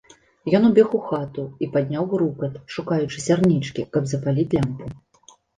Ён убег у хату і падняў грукат, шукаючы сярнічкі, каб запаліць лямпу.